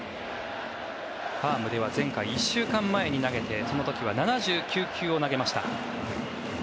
ファームでは前回、１週間前に投げてその時は７９球を投げました。